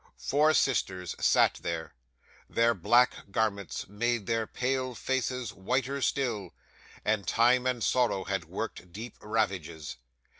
Four sisters sat there. Their black garments made their pale faces whiter still, and time and sorrow had worked deep ravages.